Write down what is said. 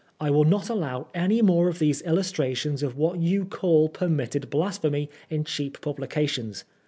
I will not allow any more of these illustrations of what you caU permitted blasphemy in cheap publications.